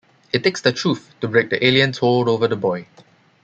It takes the truth to break the alien's hold over the boy.